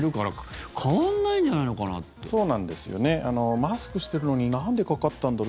マスクしてるのになんでかかったんだろう